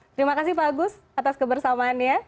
terima kasih pak agus atas kebersamaan ya